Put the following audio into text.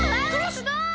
すごい！